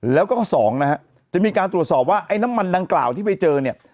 แล้วก็สองนะฮะจะมีการตรวจสอบว่าไอ้น้ำมันดังกล่าวที่ไปเจอเนี่ย